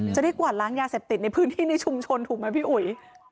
จะได้กวาดล้างยาเสพติดในพื้นที่ในชุมชนถูกไหมพี่อุ๋ย